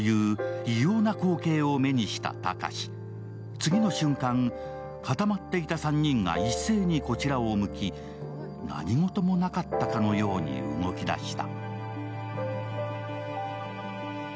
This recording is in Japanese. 次の瞬間、固まっていた３人が一斉にこちらを向き、何事もなかったかのように動き出した。